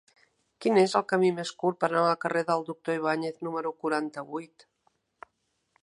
Quin és el camí més curt per anar al carrer del Doctor Ibáñez número quaranta-vuit?